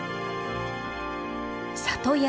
里山。